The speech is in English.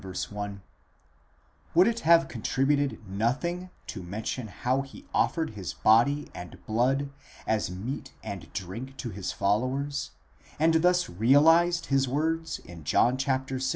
1), would it have contributed nothing to mention how he offered his body and blood as meat and drink to his followers, and thus realized his words in John vi.?